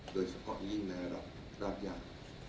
โดยเฉพาะยิ่งในระดับอย่าง